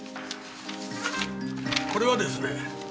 これはですね